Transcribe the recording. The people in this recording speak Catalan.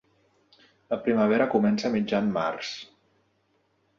La primavera comença a mitjan març.